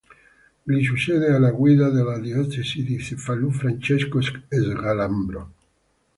Gli succede alla guida della Diocesi di Cefalù Francesco Sgalambro.